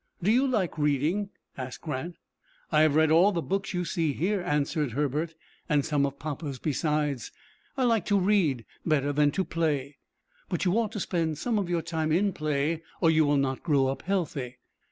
"Do you like reading?" asked Grant. "I have read all the books you see here," answered Herbert, "and some of papa's besides. I like to read better than to play." "But you ought to spend some of your time in play, or you will not grow up healthy."